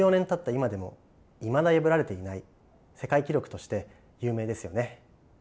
今でもいまだ破られていない世界記録として有名ですよね。